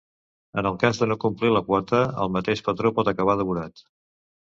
En el cas de no complir la quota, el mateix patró pot acabar devorat.